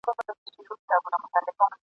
له آسمانه به راتللې بیرته کورته ..